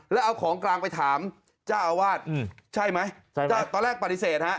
แล้วเอาของกลางไปถามเจ้าอาวาสใช่ไหมใช่ตอนแรกปฏิเสธฮะ